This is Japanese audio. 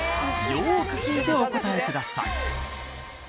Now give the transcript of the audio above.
よーく聴いてお答えください